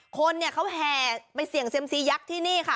คนเนี่ยเขาแห่ไปเสี่ยงเซียมซียักษ์ที่นี่ค่ะ